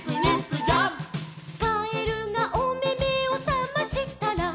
「かえるがおめめをさましたら」